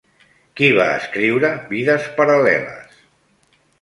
Qui va escriure Vides paral·leles?